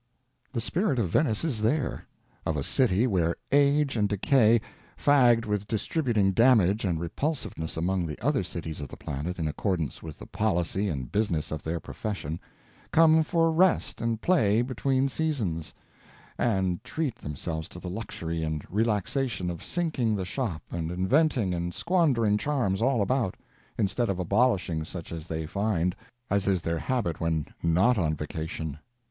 The spirit of Venice is there: of a city where Age and Decay, fagged with distributing damage and repulsiveness among the other cities of the planet in accordance with the policy and business of their profession, come for rest and play between seasons, and treat themselves to the luxury and relaxation of sinking the shop and inventing and squandering charms all about, instead of abolishing such as they find, as is their habit when not on vacation.